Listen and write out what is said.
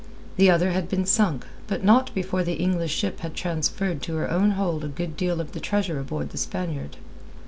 The other had been sunk, but not before the English ship had transferred to her own hold a good deal of the treasure aboard the Spaniard.